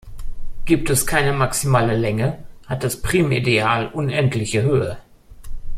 Gibt es keine maximale Länge, hat das Primideal unendliche Höhe.